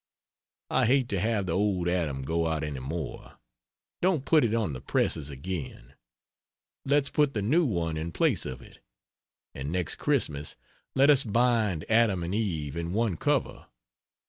I hate to have the old Adam go out any more don't put it on the presses again, let's put the new one in place of it; and next Xmas, let us bind Adam and Eve in one cover.